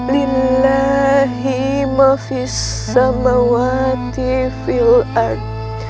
lillahi mafissamawati fil ad